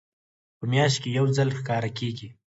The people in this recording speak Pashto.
په میاشت کې یو ځل ښکاره کیږي.